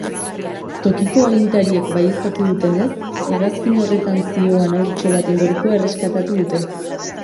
Tokiko agintariek baieztatu duenez, hegazkin horretan zihoan haurtxo baten gorpua erreskatatu dute.